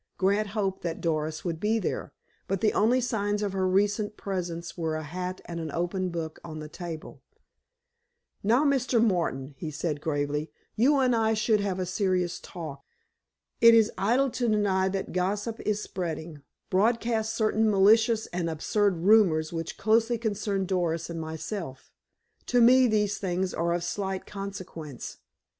Grant hoped that Doris would be there, but the only signs of her recent presence were a hat and an open book on the table. "Now, Mr. Martin," he said gravely, "you and I should have a serious talk. It is idle to deny that gossip is spreading broadcast certain malicious and absurd rumors which closely concern Doris and myself. To me these things are of slight consequence.